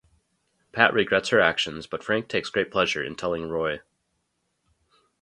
Pat regrets her actions but Frank takes great pleasure in telling Roy.